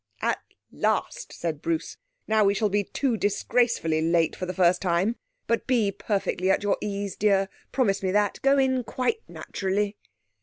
'At last!' said Bruce. 'Now we shall be too disgracefully late for the first time. But be perfectly at your ease, dear. Promise me that. Go in quite naturally.'